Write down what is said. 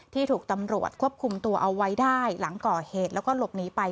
ถูกตำรวจควบคุมตัวเอาไว้ได้หลังก่อเหตุแล้วก็หลบหนีไป